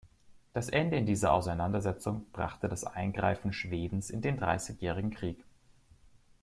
Das Ende in dieser Auseinandersetzung brachte das Eingreifen Schwedens in den Dreißigjährigen Krieg.